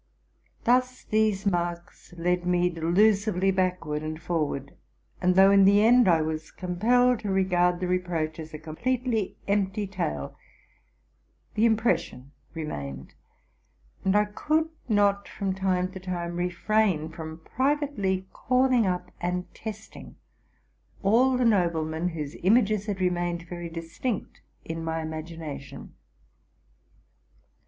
Thus these marks led me delusively backward and forward: and though in the end I was compelle «1 to regard the reproach as a completely empty tale, the impression remained; and I could not from time to time retrain from privately calling up and testing all the noblemen whose images had remained very distinct in my imagination.